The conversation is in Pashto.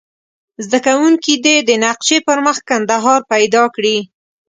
زده کوونکي دې د نقشې پر مخ کندهار پیدا کړي.